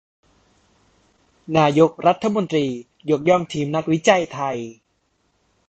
นายกรัฐมนตรียกย่องทีมนักวิจัยไทย